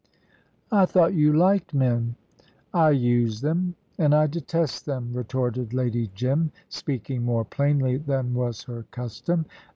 "I thought you liked men." "I use them, and I detest them," retorted Lady Jim, speaking more plainly than was her custom.